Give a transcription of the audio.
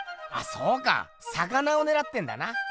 そうか魚をねらってんだな。